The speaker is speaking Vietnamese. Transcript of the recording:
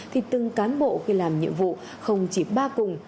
thì từng cán bộ khi làm nhiệm vụ không chỉ ba cùng